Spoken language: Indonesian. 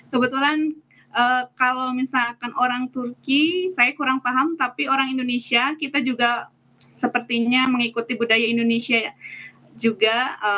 kebetulan kalau misalkan orang turki saya kurang paham tapi orang indonesia kita juga sepertinya mengikuti budaya indonesia juga